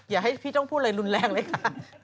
อย่าให้พี่ต้องพูดอะไรรุนแรงเลยค่ะ